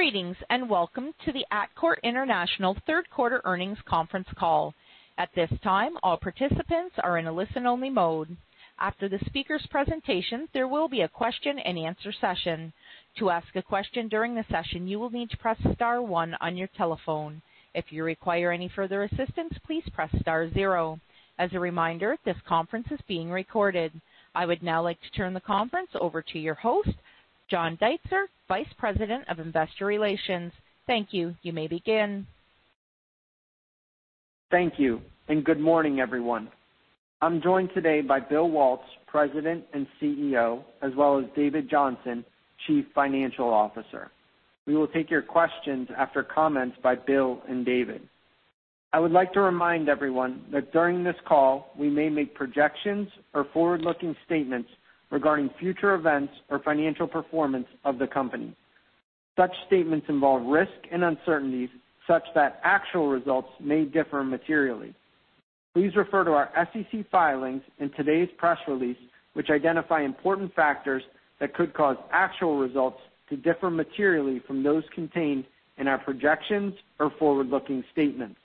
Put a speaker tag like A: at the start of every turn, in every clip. A: Greetings, and welcome to the Atkore International third quarter earnings conference call. At this time, all participants are in a listen-only mode. After the speakers' presentations, there will be a question and answer session. To ask a question during the session, you will need to press star one on your telephone. If you require any further assistance, please press star zero. As a reminder, this conference is being recorded. I would now like to turn the conference over to your host, John Deitzer, Vice President of Investor Relations. Thank you. You may begin.
B: Thank you, and good morning, everyone. I'm joined today by Bill Waltz, President and Chief Executive Officer, as well as David Johnson, Chief Financial Officer. We will take your questions after comments by Bill and David. I would like to remind everyone that during this call, we may make projections or forward-looking statements regarding future events or financial performance of the company. Such statements involve risk and uncertainties such that actual results may differ materially. Please refer to our SEC filings and today's press release, which identify important factors that could cause actual results to differ materially from those contained in our projections or forward-looking statements.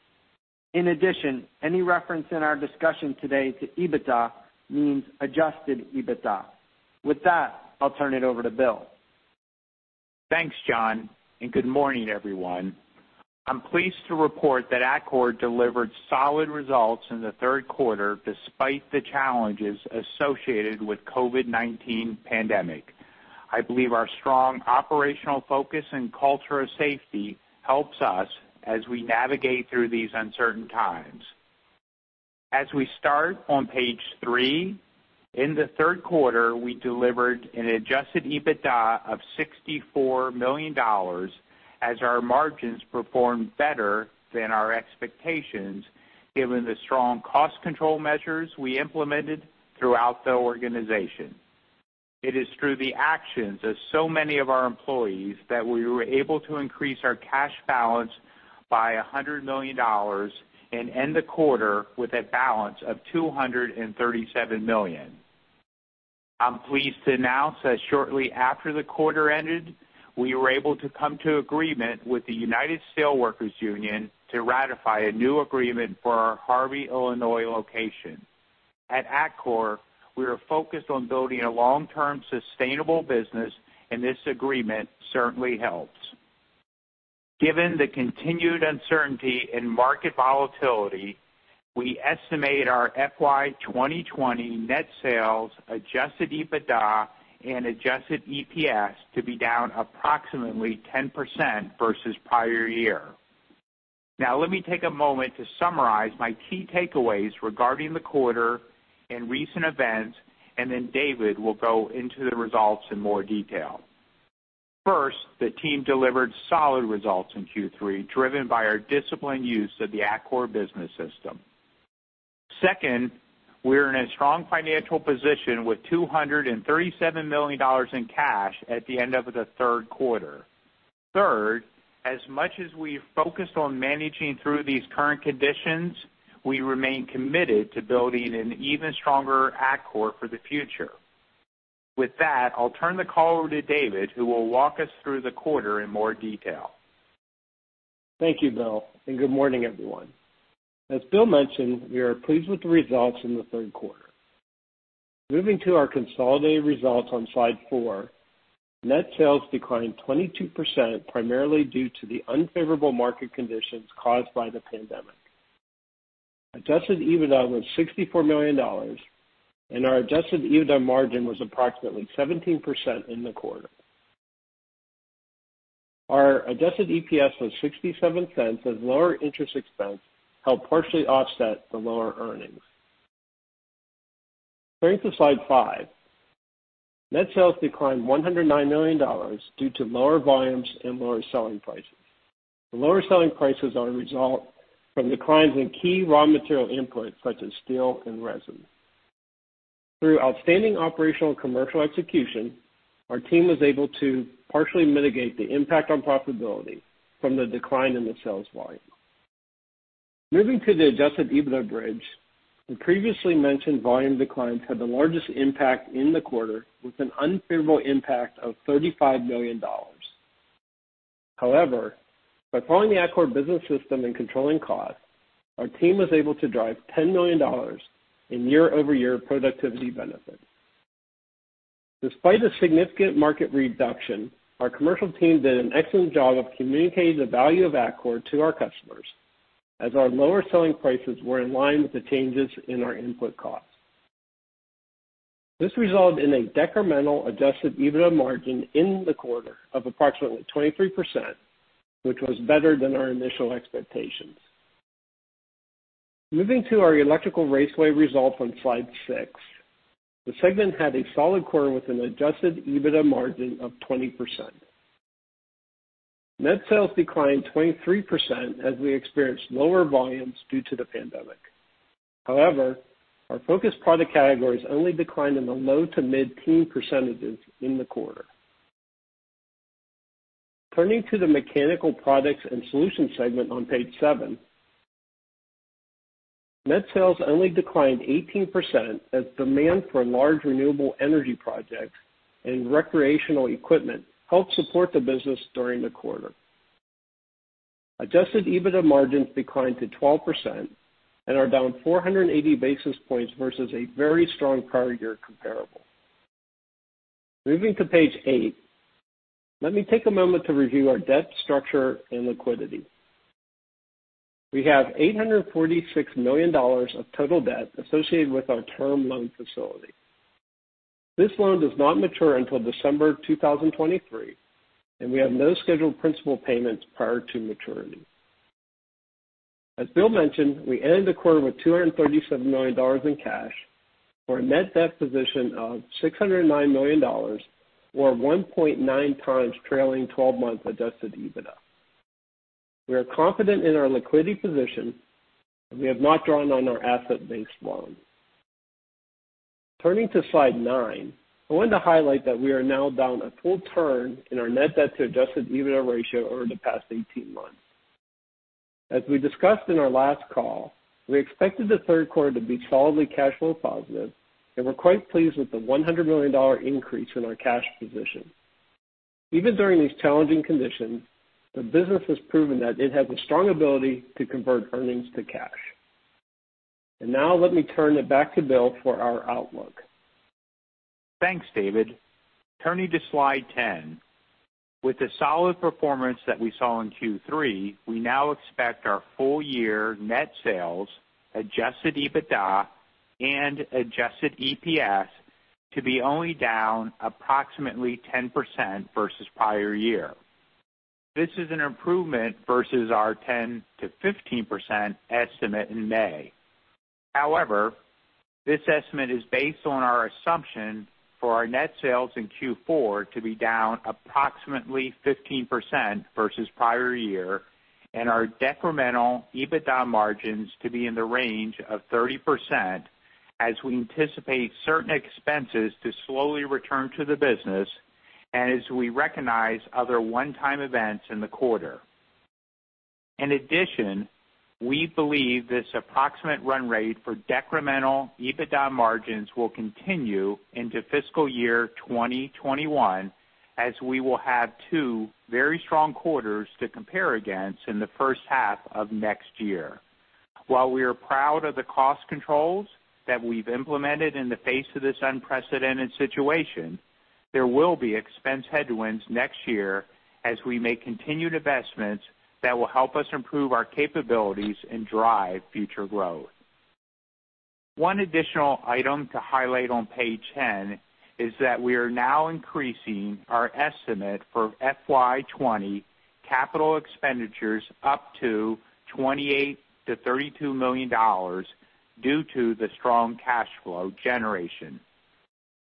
B: In addition, any reference in our discussion today to EBITDA means adjusted EBITDA. With that, I'll turn it over to Bill.
C: Thanks, John, and good morning, everyone. I'm pleased to report that Atkore delivered solid results in the third quarter, despite the challenges associated with COVID-19 pandemic. I believe our strong operational focus and culture of safety helps us as we navigate through these uncertain times. As we start on page three, in the third quarter, we delivered an adjusted EBITDA of $64 million as our margins performed better than our expectations, given the strong cost control measures we implemented throughout the organization. It is through the actions of so many of our employees that we were able to increase our cash balance by $100 million and end the quarter with a balance of $237 million. I'm pleased to announce that shortly after the quarter ended, we were able to come to agreement with the United Steelworkers Union to ratify a new agreement for our Harvey, Illinois location. At Atkore, we are focused on building a long-term sustainable business, and this agreement certainly helps. Given the continued uncertainty and market volatility, we estimate our FY 2020 net sales adjusted EBITDA and adjusted EPS to be down approximately 10% versus prior year. Let me take a moment to summarize my key takeaways regarding the quarter and recent events, and then David will go into the results in more detail. First, the team delivered solid results in Q3, driven by our disciplined use of the Atkore Business System. Second, we are in a strong financial position with $237 million in cash at the end of the third quarter. Third, as much as we've focused on managing through these current conditions, we remain committed to building an even stronger Atkore for the future. With that, I'll turn the call over to David, who will walk us through the quarter in more detail.
D: Thank you, Bill. Good morning, everyone. As Bill mentioned, we are pleased with the results in the third quarter. Moving to our consolidated results on slide four, net sales declined 22%, primarily due to the unfavorable market conditions caused by the pandemic. Adjusted EBITDA was $64 million, and our adjusted EBITDA margin was approximately 17% in the quarter. Our adjusted EPS was $0.67 as lower interest expense helped partially offset the lower earnings. Turning to slide five, net sales declined $109 million due to lower volumes and lower selling prices. The lower selling prices are a result from declines in key raw material inputs such as steel and resin. Through outstanding operational and commercial execution, our team was able to partially mitigate the impact on profitability from the decline in the sales volume. Moving to the adjusted EBITDA bridge. The previously mentioned volume declines had the largest impact in the quarter with an unfavorable impact of $35 million. By following the Atkore Business System and controlling costs, our team was able to drive $10 million in year-over-year productivity benefits. Despite a significant market reduction, our commercial team did an excellent job of communicating the value of Atkore to our customers as our lower selling prices were in line with the changes in our input costs. This resulted in a decremental adjusted EBITDA margin in the quarter of approximately 23%, which was better than our initial expectations. Moving to our Electrical Raceway results on slide six. The segment had a solid quarter with an adjusted EBITDA margin of 20%. Net sales declined 23% as we experienced lower volumes due to the pandemic. Our focused product categories only declined in the low to mid-teen percentages in the quarter. Turning to the Mechanical Products & Solutions segment on page seven, Net sales only declined 18% as demand for large renewable energy projects and recreational equipment helped support the business during the quarter. adjusted EBITDA margins declined to 12% and are down 480 basis points versus a very strong prior year comparable. Moving to page eight, let me take a moment to review our debt structure and liquidity. We have $846 million of total debt associated with our term loan facility. This loan does not mature until December 2023, and we have no scheduled principal payments prior to maturity. As Bill mentioned, we ended the quarter with $237 million in cash, for a net debt position of $609 million, or 1.9 times trailing 12-month adjusted EBITDA. We are confident in our liquidity position, and we have not drawn on our asset-based loan. Turning to slide nine, I wanted to highlight that we are now down a full turn in our net debt to adjusted EBITDA ratio over the past 18 months. As we discussed in our last call, we expected the third quarter to be solidly cash flow positive. We're quite pleased with the $100 million increase in our cash position. Even during these challenging conditions, the business has proven that it has a strong ability to convert earnings to cash. Now let me turn it back to Bill for our outlook.
C: Thanks, David. Turning to slide 10. With the solid performance that we saw in Q3, we now expect our full year net sales, adjusted EBITDA, and adjusted EPS to be only down approximately 10% versus prior year. This is an improvement versus our 10%-15% estimate in May. However, this estimate is based on our assumption for our net sales in Q4 to be down approximately 15% versus prior year and our decremental EBITDA margins to be in the range of 30% as we anticipate certain expenses to slowly return to the business and as we recognize other one-time events in the quarter. In addition, we believe this approximate run rate for decremental EBITDA margins will continue into fiscal year 2021 as we will have two very strong quarters to compare against in the first half of next year. While we are proud of the cost controls that we've implemented in the face of this unprecedented situation, there will be expense headwinds next year as we make continued investments that will help us improve our capabilities and drive future growth. One additional item to highlight on page 10 is that we are now increasing our estimate for FY 2020 capital expenditures up to $28 million-$32 million due to the strong cash flow generation.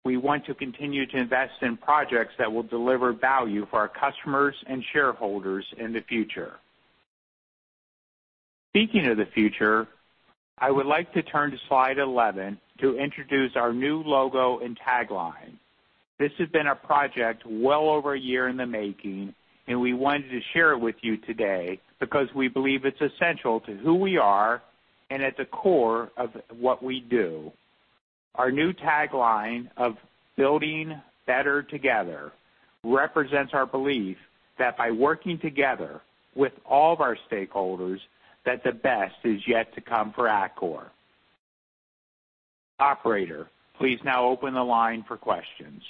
C: We want to continue to invest in projects that will deliver value for our customers and shareholders in the future. Speaking of the future, I would like to turn to slide 11 to introduce our new logo and tagline. This has been a project well over a year in the making, and we wanted to share it with you today because we believe it's essential to who we are and at the core of what we do. Our new tagline of Building Better Together represents our belief that by working together with all of our stakeholders, that the best is yet to come for Atkore. Operator, please now open the line for questions.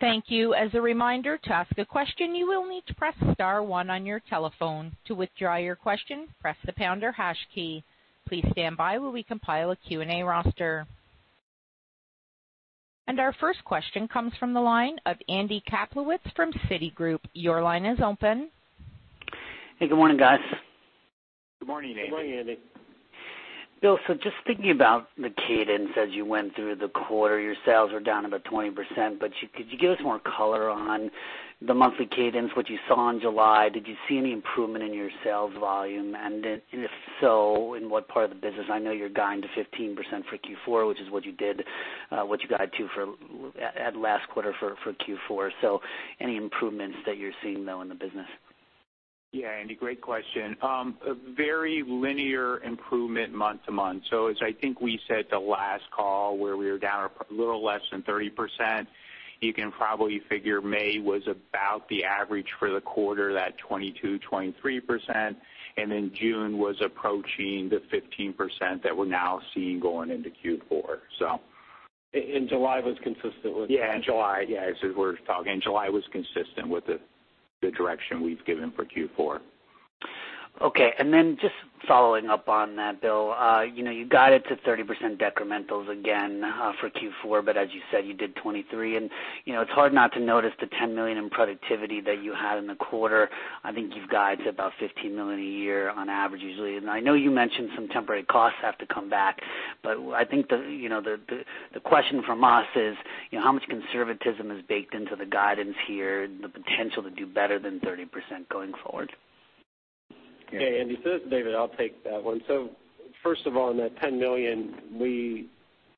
A: Thank you. As a reminder, to ask a question, you will need to press star one on your telephone. To withdraw your question, press the pound or hash key. Please stand by while we compile a Q&A roster. Our first question comes from the line of Andy Kaplowitz from Citigroup. Your line is open.
E: Hey, good morning, guys.
C: Good morning, Andy.
D: Good morning, Andy.
E: Bill, just thinking about the cadence as you went through the quarter, your sales were down about 20%. Could you give us more color on the monthly cadence, what you saw in July? Did you see any improvement in your sales volume? If so, in what part of the business? I know you're guiding to 15% for Q4, which is what you guided to at last quarter for Q4. Any improvements that you're seeing, though, in the business?
C: Yeah, Andy, great question. A very linear improvement month to month. As I think we said the last call, where we were down a little less than 30%, you can probably figure May was about the average for the quarter, that 22%, 23%, and then June was approaching the 15% that we're now seeing going into Q4.
D: July was consistent with.
C: Yeah, July. Yeah, as we were talking, July was consistent with the direction we've given for Q4.
E: Just following up on that, Bill. You guided to 30% decrementals again for Q4, but as you said, you did 23%. It's hard not to notice the $10 million in productivity that you had in the quarter. I think you've guided to about $15 million a year on average, usually. I know you mentioned some temporary costs have to come back, but I think the question from us is how much conservatism is baked into the guidance here, the potential to do better than 30% going forward?
D: Yeah, Andy. This is David, I'll take that one. First of all, on that $10 million, we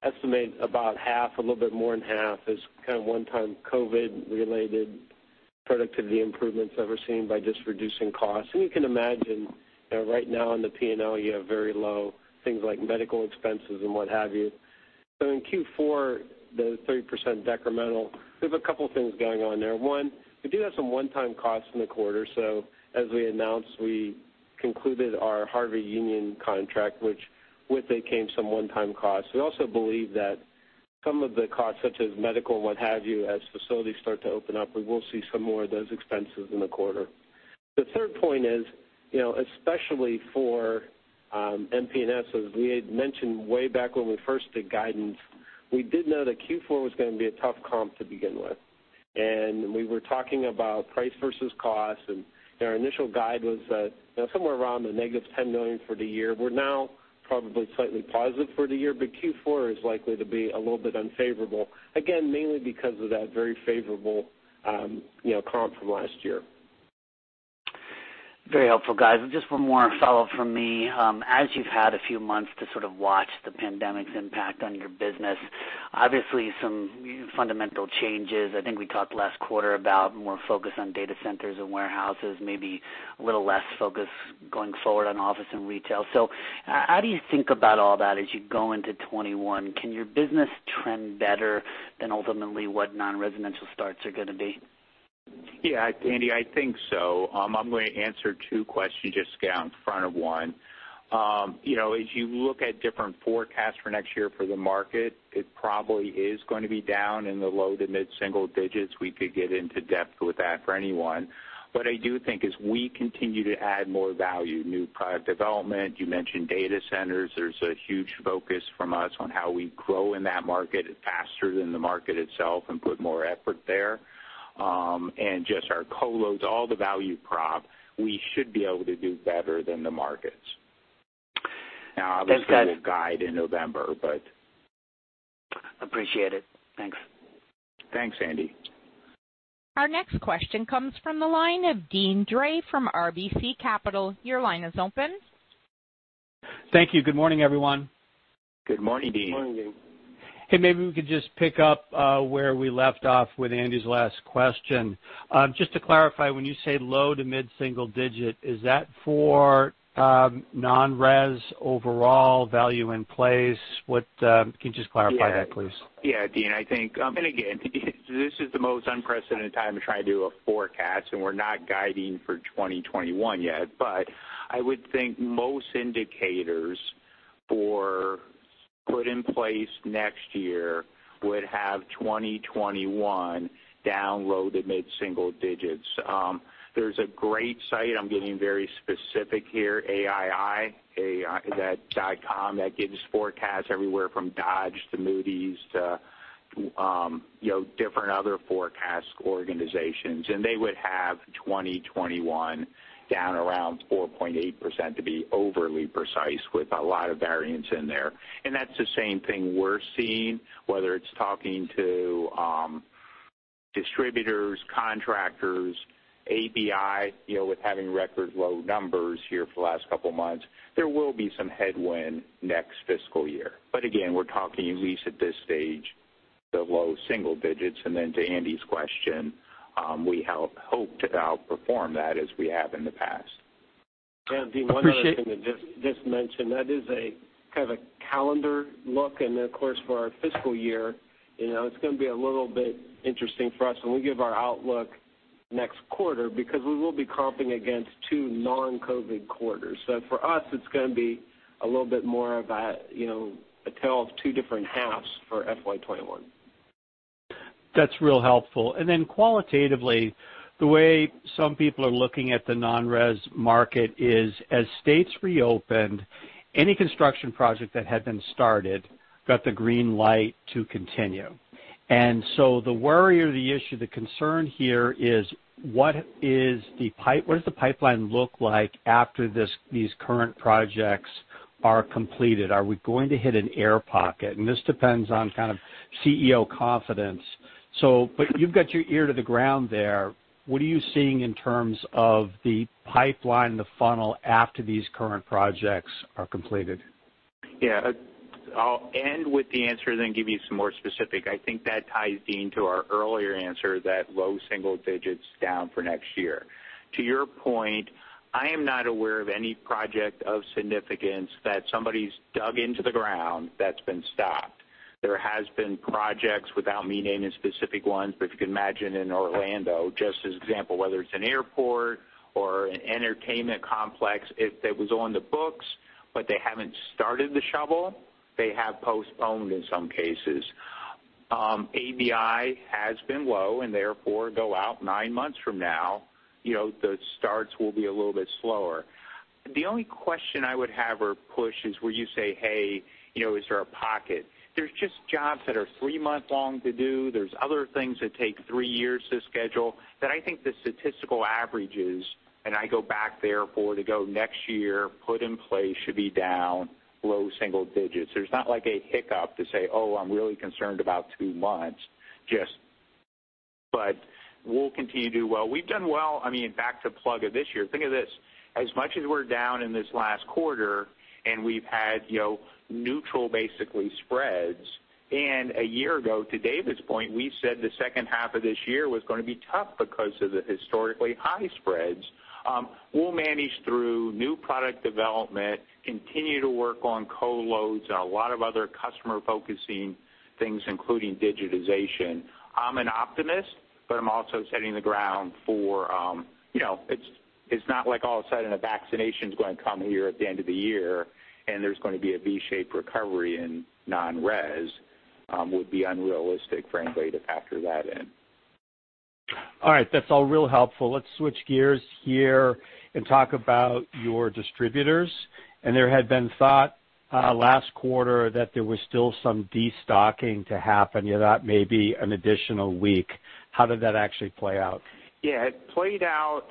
D: estimate about half, a little bit more than half is kind of one time COVID related. Productivity improvements that we're seeing by just reducing costs. You can imagine right now in the P&L, you have very low things like medical expenses and what have you. In Q4, the 30% decremental, we have a couple things going on there. One, we do have some one-time costs in the quarter, as we announced, we concluded our Harvey Union contract, which with it came some one-time costs. We also believe that some of the costs, such as medical and what have you, as facilities start to open up, we will see some more of those expenses in the quarter. The third point is, especially for MPNS, as we had mentioned way back when we first did guidance, we did know that Q4 was going to be a tough comp to begin with. We were talking about price versus cost, our initial guide was that somewhere around the negative $10 million for the year. We're now probably slightly positive for the year, Q4 is likely to be a little bit unfavorable, again, mainly because of that very favorable comp from last year.
E: Very helpful, guys. Just one more follow-up from me. As you've had a few months to sort of watch the pandemic's impact on your business, obviously some fundamental changes. I think we talked last quarter about more focus on data centers and warehouses, maybe a little less focus going forward on office and retail. How do you think about all that as you go into 2021? Can your business trend better than ultimately what non-residential starts are going to be?
C: Andy, I think so. I'm going to answer two questions just to get out in front of one. As you look at different forecasts for next year for the market, it probably is going to be down in the low to mid-single digits. We could get into depth with that for anyone. I do think as we continue to add more value, new product development, you mentioned data centers, there's a huge focus from us on how we grow in that market faster than the market itself and put more effort there. Just our co-loads, all the value prop, we should be able to do better than the markets. Obviously-
E: That's good.
C: We'll guide in November, but
E: Appreciate it. Thanks.
C: Thanks, Andy.
A: Our next question comes from the line of Deane Dray from RBC Capital. Your line is open.
F: Thank you. Good morning, everyone.
C: Good morning, Deane.
D: Good morning, Deane.
F: Hey, maybe we could just pick up where we left off with Andy's last question. Just to clarify, when you say low to mid-single digit, is that for non-res overall value in place? Can you just clarify that, please?
C: Deane, I think, again, this is the most unprecedented time to try to do a forecast, and we're not guiding for 2021 yet. I would think most indicators for put in place next year would have 2021 down low to mid-single digits. There's a great site, I'm getting very specific here, AIA, aia.org, that gives forecasts everywhere from Dodge to Moody's to different other forecast organizations. They would have 2021 down around 4.8%, to be overly precise, with a lot of variance in there. That's the same thing we're seeing, whether it's talking to distributors, contractors, ABI, with having record low numbers here for the last couple of months. There will be some headwind next fiscal year. Again, we're talking at least at this stage, the low single digits. To Andy's question, we hope to outperform that as we have in the past.
F: Appreciate-
D: Yeah, Deane, one other thing to just mention. That is a kind of a calendar look, and then of course, for our fiscal year, it's going to be a little bit interesting for us when we give our outlook next quarter because we will be comping against two non-COVID quarters. For us, it's going to be a little bit more of a tale of two different halves for FY 2021.
F: That's real helpful. Qualitatively, the way some people are looking at the non-res market is as states reopened, any construction project that had been started got the green light to continue. The worry or the issue, the concern here is what does the pipeline look like after these current projects are completed? Are we going to hit an air pocket? This depends on kind of CEO confidence. You've got your ear to the ground there. What are you seeing in terms of the pipeline, the funnel, after these current projects are completed?
C: I'll end with the answer, then give you some more specific. I think that ties, Deane, to our earlier answer, that low single digits down for next year. To your point, I am not aware of any project of significance that somebody's dug into the ground that's been stopped. There has been projects, without me naming specific ones, but if you can imagine in Orlando, just as an example, whether it's an airport or an entertainment complex, if it was on the books, but they haven't started the shovel, they have postponed in some cases. ABI has been low. Therefore, go out nine months from now, the starts will be a little bit slower. The only question I would have or push is where you say, "Hey, is there a pocket?" There's just jobs that are three months long to do. There's other things that take three years to schedule that I think the statistical averages, and I go back therefore to go next year, put in place should be down low single digits. There's not like a hiccup to say, "Oh, I'm really concerned about two months." We'll continue to do well. We've done well, back to plug of this year. Think of this, as much as we're down in this last quarter, and we've had neutral basically spreads. A year ago, to David's point, we said the second half of this year was going to be tough because of the historically high spreads. We'll manage through new product development, continue to work on co-loads, a lot of other customer-focusing things, including digitization. I'm an optimist, but I'm also setting the ground, it's not like all of a sudden a vaccination is going to come here at the end of the year and there's going to be a V-shaped recovery in non-res, would be unrealistic, frankly, to factor that in.
F: All right. That's all real helpful. Let's switch gears here and talk about your distributors. There had been thought last quarter that there was still some destocking to happen, that may be an additional week. How did that actually play out?
C: Yeah. It played out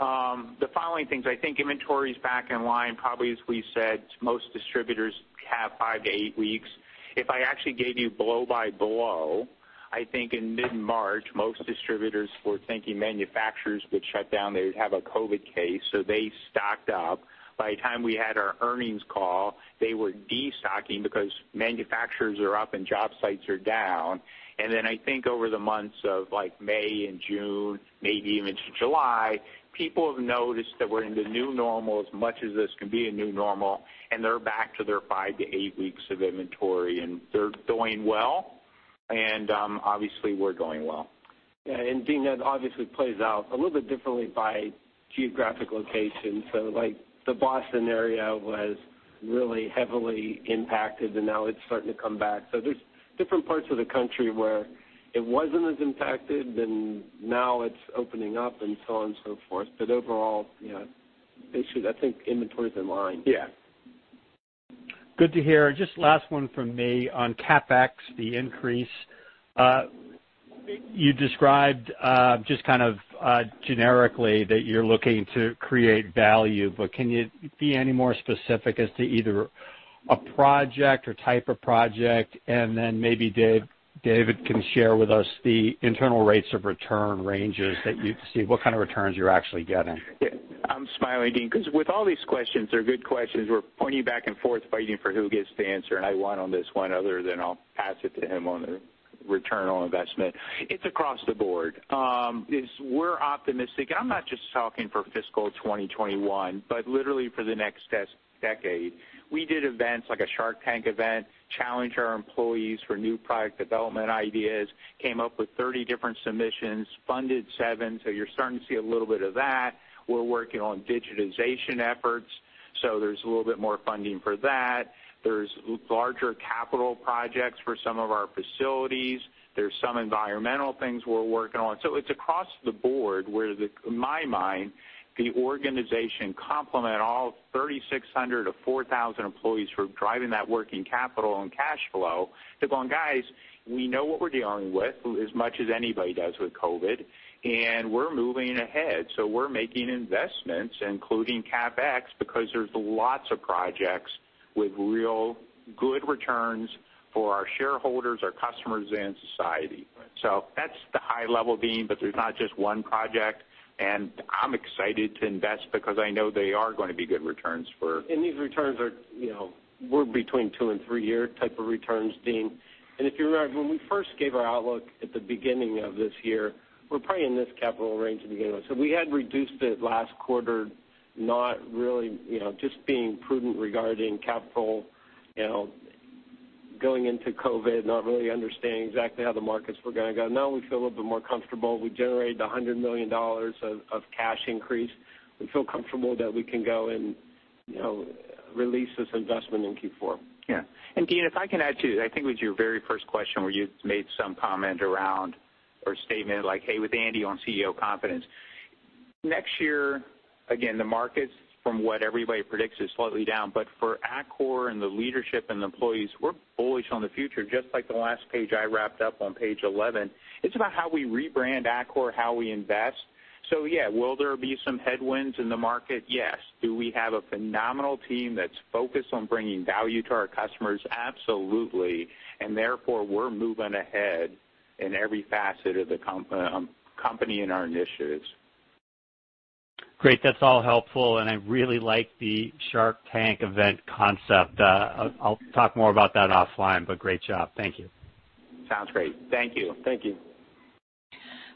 C: the following things. I think inventory's back in line, probably as we said, most distributors have five to eight weeks. If I actually gave you blow by blow, I think in mid-March, most distributors were thinking manufacturers would shut down. They would have a COVID case, so they stocked up. By the time we had our earnings call, they were destocking because manufacturers are up and job sites are down. Then I think over the months of May and June, maybe even into July, people have noticed that we're in the new normal as much as this can be a new normal, and they're back to their five to eight weeks of inventory and they're doing well. Obviously we're doing well.
D: Yeah. Deane, that obviously plays out a little bit differently by geographic location. The Boston area was really heavily impacted and now it's starting to come back. There's different parts of the country where it wasn't as impacted, then now it's opening up and so on and so forth. Overall, basically I think inventory's in line.
C: Yeah.
F: Good to hear. Just last one from me on CapEx, the increase. You described just kind of generically that you're looking to create value, can you be any more specific as to either a project or type of project? Maybe David can share with us the internal rates of return ranges that you see, what kind of returns you're actually getting?
C: Yeah. I'm smiling, Deane, because with all these questions, they're good questions. We're pointing back and forth fighting for who gets to answer, and I won on this one other than I'll pass it to him on the return on investment. It's across the board. We're optimistic, and I'm not just talking for fiscal 2021, but literally for the next decade. We did events like a Shark Tank event, challenged our employees for new product development ideas, came up with 30 different submissions, funded seven. You're starting to see a little bit of that. We're working on digitization efforts, so there's a little bit more funding for that. There's larger capital projects for some of our facilities. There's some environmental things we're working on. It's across the board where, in my mind, the organization complement all 3,600-4,000 employees who are driving that working capital and cash flow. They're going, "Guys, we know what we're dealing with as much as anybody does with COVID, and we're moving ahead." We're making investments, including CapEx, because there's lots of projects with real good returns for our shareholders, our customers, and society. That's the high level, Deane, but there's not just one project and I'm excited to invest because I know they are going to be good returns for.
D: These returns, we're between two and three year type of returns, Deane. If you remember, when we first gave our outlook at the beginning of this year, we're probably in this capital range to begin with. We had reduced it last quarter, not really, just being prudent regarding capital, going into COVID-19, not really understanding exactly how the markets were going to go. We feel a little bit more comfortable. We generated $100 million of cash increase. We feel comfortable that we can go and release this investment in Q4.
C: Yeah. Deane, if I can add to it, I think it was your very first question where you made some comment around or statement like, "Hey, with Andy on CEO confidence." Next year, again, the markets from what everybody predicts is slightly down, but for Atkore and the leadership and the employees, we're bullish on the future, just like the last page I wrapped up on page 11. It's about how we rebrand Atkore, how we invest. Yeah, will there be some headwinds in the market? Yes. Do we have a phenomenal team that's focused on bringing value to our customers? Absolutely. We're moving ahead in every facet of the company and our initiatives.
F: Great. That's all helpful, and I really like the Shark Tank event concept. I'll talk more about that offline, but great job. Thank you.
C: Sounds great. Thank you.
D: Thank you.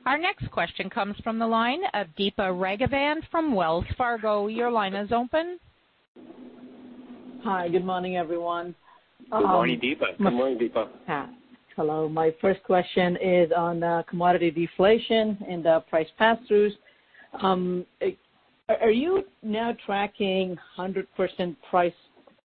A: Our next question comes from the line of Deepa Raghavan from Wells Fargo. Your line is open.
G: Hi. Good morning, everyone.
C: Good morning, Deepa.
D: Good morning, Deepa.
G: Hello. My first question is on commodity deflation and price pass-throughs. Are you now tracking 100% price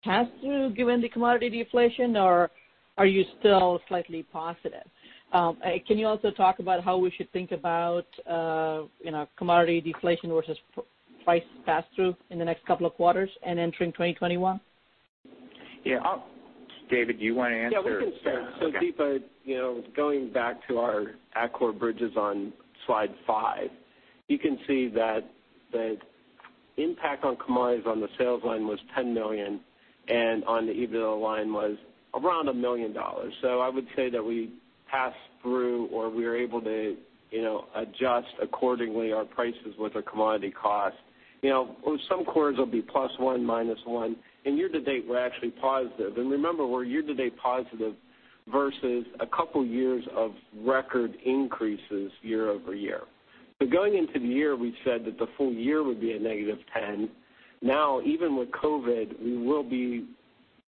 G: pass-through given the commodity deflation, or are you still slightly positive? Can you also talk about how we should think about commodity deflation versus price pass-through in the next couple of quarters and entering 2021?
C: Yeah. David, do you want to answer?
D: Yeah, we can start.
C: Okay.
D: Deepa, going back to our Atkore bridges] on slide five, you can see that the impact on commodities on the sales line was $10 million and on the EBITDA line was around $1 million. I would say that we through, or we are able to adjust accordingly our prices with our commodity costs. Some quarters will be plus one, minus one. In year-to-date, we're actually positive. Remember, we're year-to-date positive versus a couple of years of record increases year-over-year. Going into the year, we said that the full year would be a negative 10. Now, even with COVID, we will be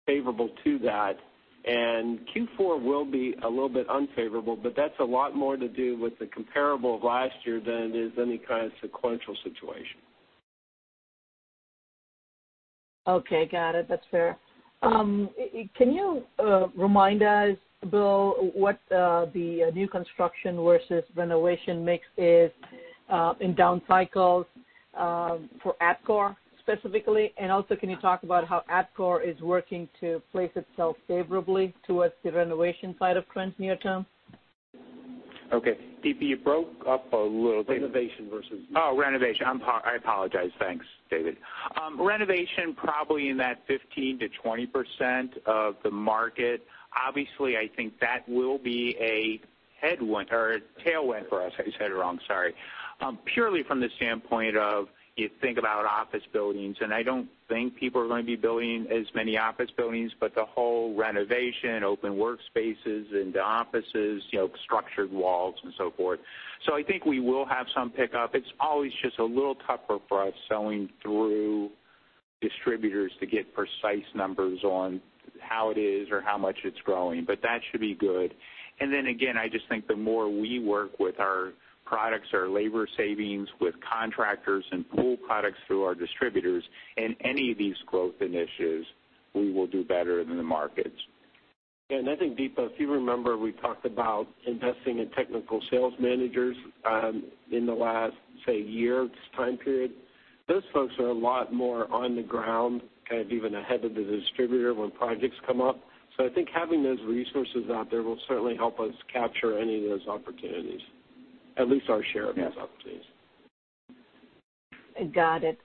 D: favorable to that, and Q4 will be a little bit unfavorable, but that's a lot more to do with the comparable of last year than it is any kind of sequential situation.
G: Okay, got it. That's fair. Can you remind us, Bill, what the new construction versus renovation mix is in down cycles for Atkore specifically? Can you talk about how Atkore is working to place itself favorably towards the renovation side of trends near-term?
C: Okay. Deepa, you broke up a little bit.
D: Renovation versus-
C: Oh, renovation. I apologize. Thanks, David. Renovation probably in that 15%-20% of the market. Obviously, I think that will be a headwind or a tailwind for us. I said it wrong, sorry. Purely from the standpoint of you think about office buildings, I don't think people are going to be building as many office buildings, but the whole renovation, open workspaces into offices, structured walls and so forth. I think we will have some pickup. It's always just a little tougher for us selling through distributors to get precise numbers on how it is or how much it's growing. That should be good. Again, I just think the more we work with our products, our labor savings, with contractors and pull products through our distributors in any of these growth initiatives, we will do better than the markets.
D: I think, Deepa, if you remember, we talked about investing in technical sales managers in the last, say, year time period. Those folks are a lot more on the ground, kind of even ahead of the distributor when projects come up. I think having those resources out there will certainly help us capture any of those opportunities, at least our share of those opportunities.
G: Got it.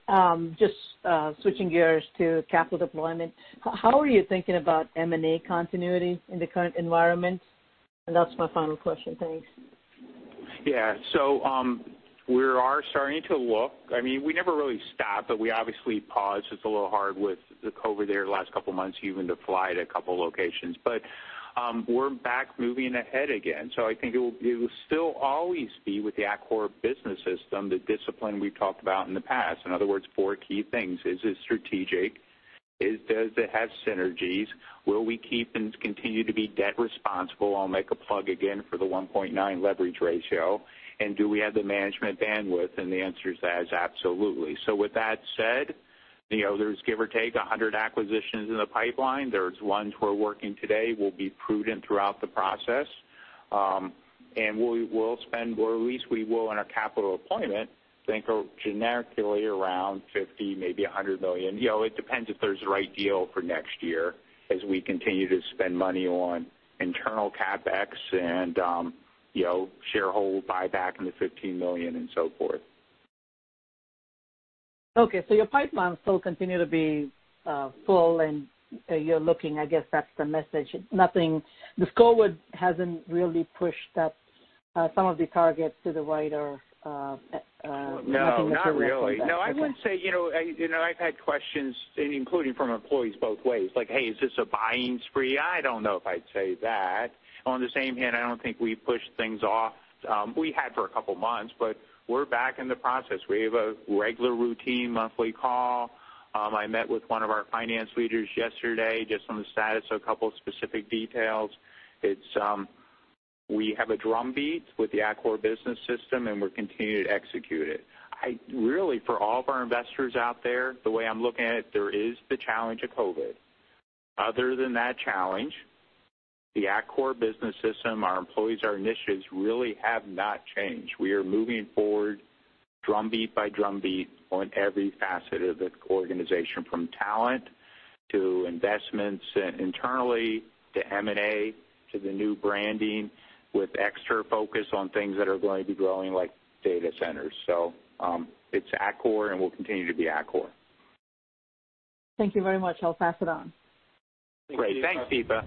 G: Just switching gears to capital deployment. How are you thinking about M&A continuity in the current environment? That's my final question. Thanks.
C: Yeah. We are starting to look. We never really stopped, but we obviously paused. It's a little hard with the COVID there the last couple of months even to fly to a couple of locations. We're back moving ahead again. I think it will still always be with the Atkore Business System, the discipline we've talked about in the past. In other words, four key things. Is it strategic? Does it have synergies? Will we keep and continue to be debt responsible? I'll make a plug again for the 1.9 leverage ratio. Do we have the management bandwidth? The answer to that is absolutely. With that said, there's give or take 100 acquisitions in the pipeline. There's ones we're working today. We'll be prudent throughout the process. We will spend, or at least we will in our capital appointment, I think generically around $50 million, maybe $100 million. It depends if there's the right deal for next year as we continue to spend money on internal CapEx and shareholder buyback in the $15 million and so forth.
G: Okay, your pipeline still continues to be full, and you're looking, I guess that's the message. Atkore hasn't really pushed some of the targets to the right.
C: No, not really. No, I wouldn't say. I've had questions, including from employees both ways, like, "Hey, is this a buying spree?" I don't know if I'd say that. On the same hand, I don't think we pushed things off. We had for a couple of months, but we're back in the process. We have a regular routine monthly call. I met with one of our finance leaders yesterday just on the status of a couple of specific details. We have a drumbeat with the Atkore Business System, and we're continuing to execute it. Really, for all of our investors out there, the way I'm looking at it, there is the challenge of COVID-19. Other than that challenge, the Atkore Business System, our employees, our initiatives really have not changed. We are moving forward drumbeat by drumbeat on every facet of the organization, from talent to investments internally to M&A to the new branding, with extra focus on things that are going to be growing, like data centers. It's Atkore, and we'll continue to be Atkore.
G: Thank you very much. I'll pass it on.
C: Great. Thanks, Deepa.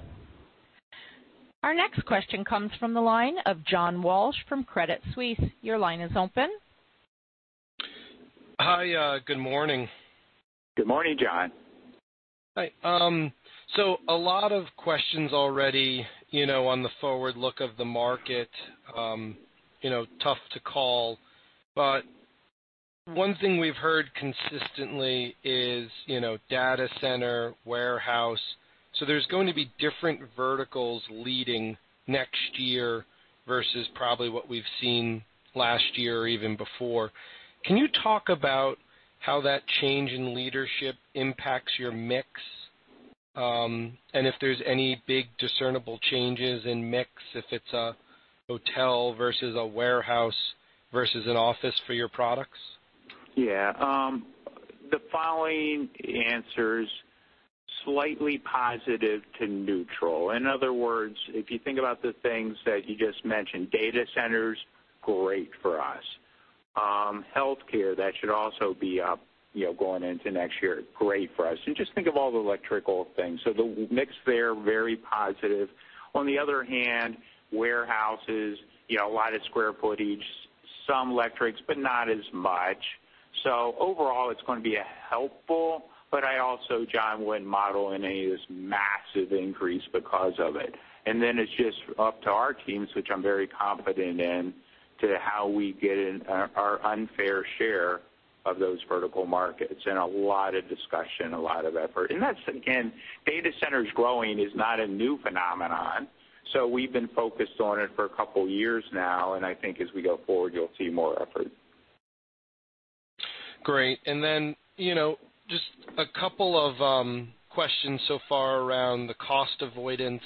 A: Our next question comes from the line of John Walsh from Credit Suisse. Your line is open.
H: Hi. Good morning.
C: Good morning, John.
H: Hi. A lot of questions already on the forward look of the market. Tough to call, but one thing we've heard consistently is data center, warehouse. There's going to be different verticals leading next year versus probably what we've seen last year or even before. Can you talk about how that change in leadership impacts your mix? If there's any big discernible changes in mix, if it's a hotel versus a warehouse versus an office for your products?
C: Yeah. The following answer is slightly positive to neutral. In other words, if you think about the things that you just mentioned, data centers, great for us. Healthcare, that should also be up going into next year. Great for us. Just think of all the electrical things. The mix there, very positive. On the other hand, warehouses, a lot of square footage, some electrics, but not as much. Overall, it's going to be helpful, but I also, John, wouldn't model any of this massive increase because of it. It's just up to our teams, which I'm very confident in, to how we get our unfair share of those vertical markets and a lot of discussion, a lot of effort. That's, again, data centers growing is not a new phenomenon. We've been focused on it for a couple of years now, and I think as we go forward, you'll see more effort.
H: Great. Just a couple of questions so far around the cost avoidance.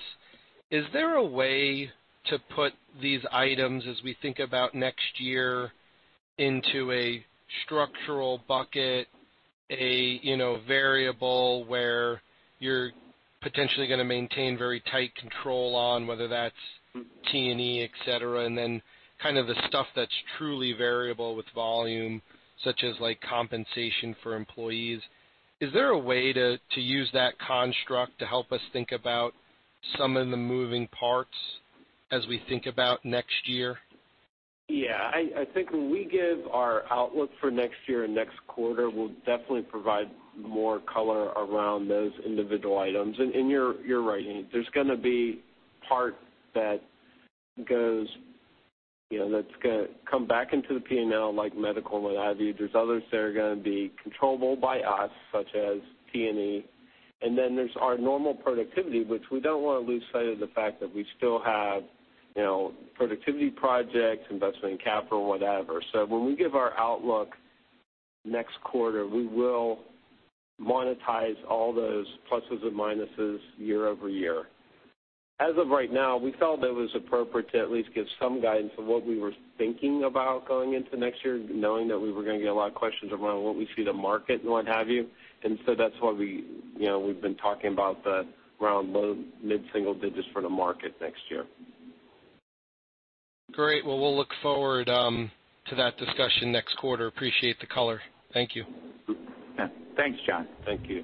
H: Is there a way to put these items as we think about next year into a structural bucket, a variable where you're potentially going to maintain very tight control on whether that's T&E, et cetera, and then kind of the stuff that's truly variable with volume, such as compensation for employees. Is there a way to use that construct to help us think about some of the moving parts as we think about next year?
D: Yeah, I think when we give our outlook for next year and next quarter, we'll definitely provide more color around those individual items. You're right. There's going to be part that's going to come back into the P&L, like medical and what have you. There's others that are going to be controllable by us, such as T&E. There's our normal productivity, which we don't want to lose sight of the fact that we still have productivity projects, investment in capital, whatever. When we give our outlook next quarter, we will monetize all those pluses and minuses year-over-year. As of right now, we felt it was appropriate to at least give some guidance of what we were thinking about going into next year, knowing that we were going to get a lot of questions around what we see the market and what have you. That's why we've been talking about the around low, mid-single digits for the market next year.
H: Great. We'll look forward to that discussion next quarter. Appreciate the color. Thank you.
C: Yeah. Thanks, John.
D: Thank you.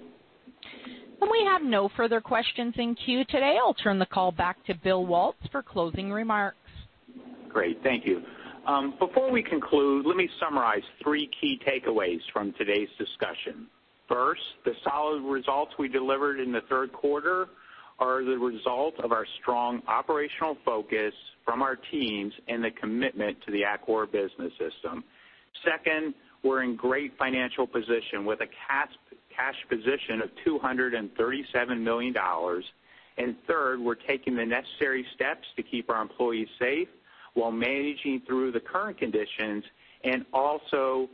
A: We have no further questions in queue today. I'll turn the call back to Bill Waltz for closing remarks.
C: Great. Thank you. Before we conclude, let me summarize three key takeaways from today's discussion. First, the solid results we delivered in the third quarter are the result of our strong operational focus from our teams and the commitment to the Atkore Business System. Second, we're in great financial position with a cash position of $237 million. Third, we're taking the necessary steps to keep our employees safe while managing through the current conditions and also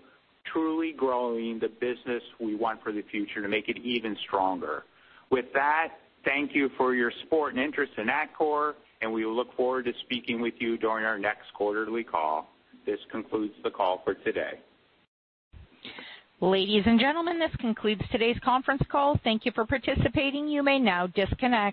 C: truly growing the business we want for the future to make it even stronger. With that, thank you for your support and interest in Atkore, and we look forward to speaking with you during our next quarterly call. This concludes the call for today.
A: Ladies and gentlemen, this concludes today's conference call. Thank you for participating. You may now disconnect.